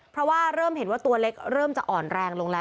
เพราะว่าเริ่มเห็นว่าตัวเล็กเริ่มจะอ่อนแรงลงแล้ว